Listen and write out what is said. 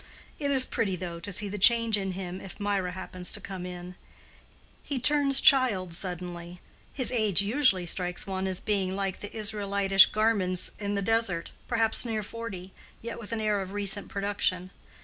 It is pretty, though, to see the change in him if Mirah happens to come in. He turns child suddenly—his age usually strikes one as being like the Israelitish garments in the desert, perhaps near forty, yet with an air of recent production.